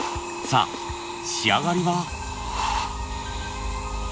さあ仕上がりは？